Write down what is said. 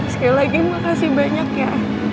sekali lagi makasih banyak ya